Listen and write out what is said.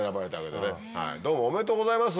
どうもおめでとうございます。